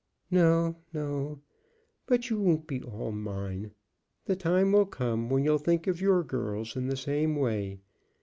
"No, no! But you won't be all mine. The time will come when you'll think of your girls in the same way.